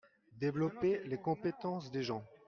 Développer les compétences des gens.